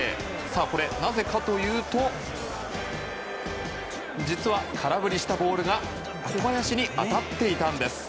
これ、なぜかというと実は、空振りしたボールが小林に当たっていたんです。